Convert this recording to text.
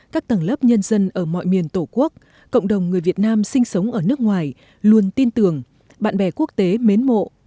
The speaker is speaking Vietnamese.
các tầng lớp nhân dân ở mọi miền tổ quốc cộng đồng người việt nam sinh sống ở nước ngoài luôn tin tưởng bạn bè quốc tế mến mộ